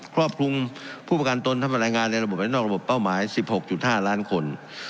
ครอบคลุมผู้ประกันตนทำพลังงานในระบบและนอกระบบเป้าหมาย๑๖๕ล้านคน